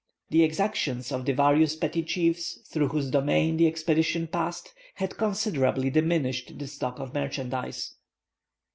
The exactions of the various petty chiefs through whose domains the expedition passed had considerably diminished the stock of merchandise.